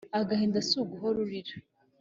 Agahinda si uguhora urira.